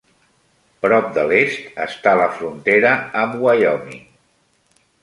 Prop de l'est està la frontera amb Wyoming.